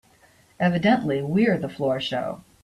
Evidently we're the floor show.